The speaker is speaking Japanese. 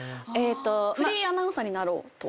フリーアナウンサーになろうと思って？